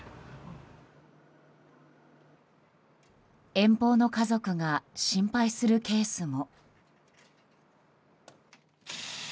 遠方の家族が心配するケースも。